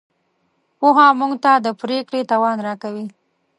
پوهه موږ ته د پرېکړې توان راکوي.